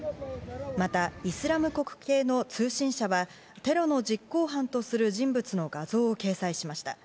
またイスラム国系の通信社はテロの実行犯とする人物の画像を掲載しました。